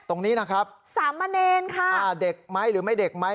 ทรัมนีนะครับสามมะเนญค่ะอ่าเด็กมั้ยหรือไม่เด็กมั้ย